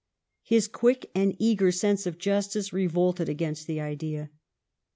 His quick and eager sense of justice revolted against the idea.